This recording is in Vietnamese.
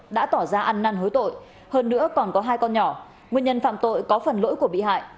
đã tỏ ra ăn năn hối tội hơn nữa còn có hai con nhỏ nguyên nhân phạm tội có phần lỗi của bị hại